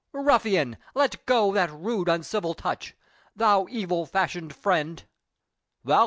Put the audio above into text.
"Ruffian, let go that rude, uncivil touch! Thou evil fashioned friend!" "Valentine!"